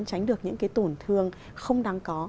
tránh được những cái tổn thương không đáng có